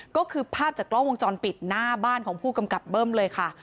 ก็คือภาพจากกล้องวงจรปิดหน้าบ้านของผู้กำกับเบิ้มเลยค่ะ